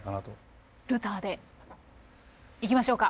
ルターでいきましょうか？